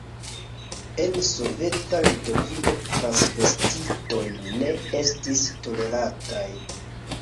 En soveta Litovio transvestitoj ne estis tolerataj.